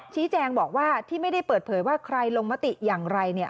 ชี้แจงบอกว่าที่ไม่ได้เปิดเผยว่าใครลงมติอย่างไรเนี่ย